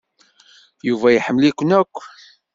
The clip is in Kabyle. Yuba iḥemmel-iken akk.